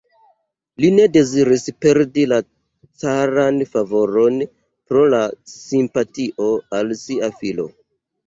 Li ne deziris perdi la caran favoron pro la simpatio al sia filo.